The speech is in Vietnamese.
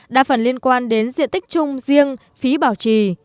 đa phần liên quan đến diện tích chung riêng phí bảo trì